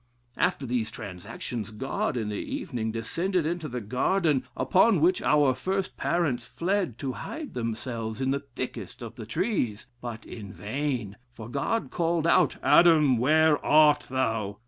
After these transactions, God, in the evening, descended into the garden, upon which our first parents fled to hide themselves in the thickest of the trees, but in vain, for God called out, 'Adam, where art thou?'